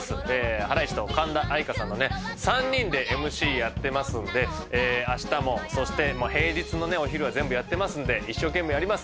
ハライチと神田愛花さんのね３人でＭＣやってますのであしたもそして平日のねお昼は全部やってますので一生懸命やります。